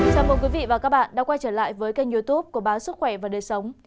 chào mừng quý vị và các bạn đã quay trở lại với kênh youtube của báo sức khỏe và đời sống